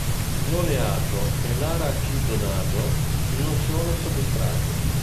L'oleato e l'arachidonato non sono substrati.